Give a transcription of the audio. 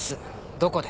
「どこで」